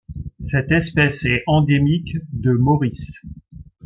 Cette espèce est endémique de Maurice.